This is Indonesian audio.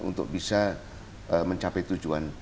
untuk bisa mencapai tujuan